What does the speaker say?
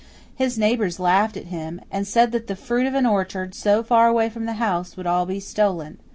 His neighbours laughed at him, and said that the fruit of an orchard so far away from the house would all be stolen.